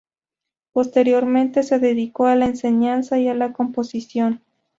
Posteriormente se dedicó a la enseñanza y a la composición.